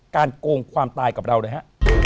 การโกงความตายกับเราด้วยฮะ